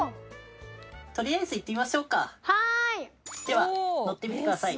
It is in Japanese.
では乗ってみてください。